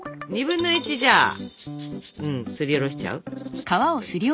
２分の１じゃあすりおろしちゃう？